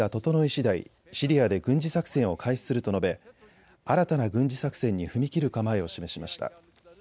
しだいシリアで軍事作戦を開始すると述べ新たな軍事作戦に踏み切る構えを示しました。